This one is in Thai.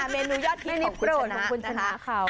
เมนูยอดที่ของคุณชนะนะคะ